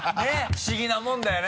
不思議なものだよね。